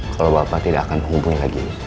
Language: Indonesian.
kalau bapak tidak akan menghubungi lagi